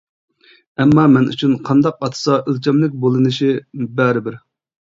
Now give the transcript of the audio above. ئەمما مەن ئۈچۈن قانداق ئاتىسا ئۆلچەملىك بۇلىنىشى بەرىبىر.